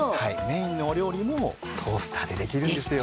メインのお料理もトースターでできるんですよ。